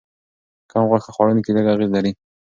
کم غوښه خوړونکي لږ اغېز لري.